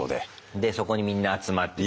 でそこにみんな集まってきて。